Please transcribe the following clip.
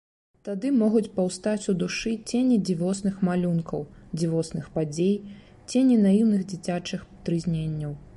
Тады могуць паўстаць у душы цені дзівосных малюнкаў, дзівосных падзей, цені наіўных дзіцячых трызненняў.